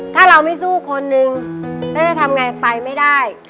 ถ้าเราไม่สู้คนนึงแล้วจะทำไงไปไม่ได้